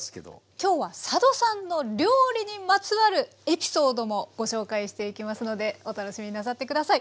今日は佐渡さんの料理にまつわるエピソードもご紹介していきますのでお楽しみになさって下さい。